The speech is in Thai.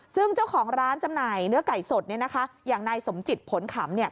ซึ่งเจ้าของร้านจำหน่ายเนื้อไก่สดอย่างนายสมจิตผลขำ